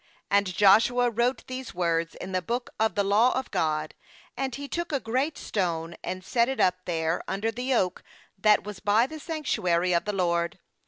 26And Joshua wrote these words in the book of the law of God; and he took a great stone, and set it up there under the oak that was by the sanctuary of the LORD.